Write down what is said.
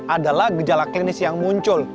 adalah gejala klinis yang muncul